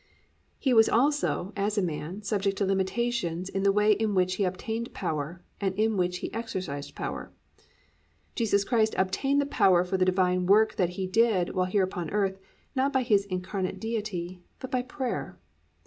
3. He was also, as a man, subject to limitations in the way in which He obtained power and in which He exercised power. Jesus Christ obtained the power for the Divine work that He did while here upon earth, not by His incarnate Deity, but by prayer.